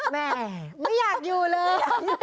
แม่ไม่อยากอยู่เลย